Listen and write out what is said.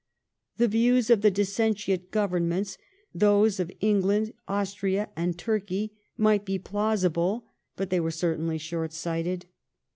The views of the dissentient Governments, those of England, Austria, and Turkey, might be plausible, but they were certainly short sighted.